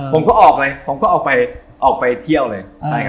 ผมก็ออกไปเที่ยวเลย